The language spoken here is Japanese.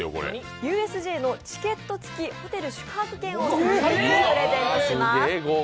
ＵＳＪのチケット付きホテル宿泊券を３組にプレゼントします。